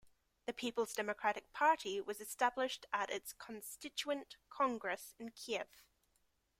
The People's Democratic Party was established at its constituent congress in Kiev.